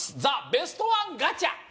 ザ・ベストワンガチャ！